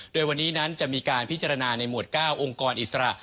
โดยวันนี้นั้นจะมีการพิจารณาในหมวด๙องค์กรอิสระ